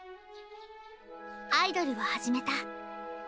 アイドルを始めた。